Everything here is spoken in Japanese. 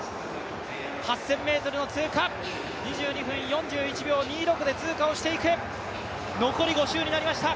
８０００ｍの通過２２分４１秒２６で、通過をしていく、残り５周になりました。